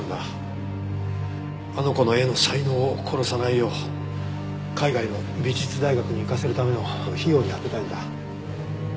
あの子の絵の才能を殺さないよう海外の美術大学に行かせるための費用に充てたいんだ。